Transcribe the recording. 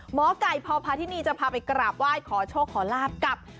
หมอไก่พพาธินีจะพาไปกราบไหว้ขอโชคขอลาบกับ